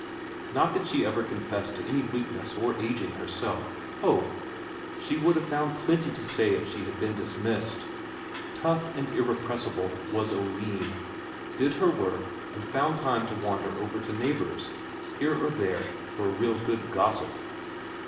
Not that she ever confessed to any weakness or ageing herself; ho! she would have found plenty to say if she had been dismissed. Tough and irrepressible was Oline; did her work, and found time to wander over to neighbours here or there for a real good gossip.